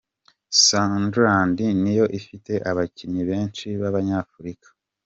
Sunderland niyo ifite abakinnyi benshi b’Abanyafurika.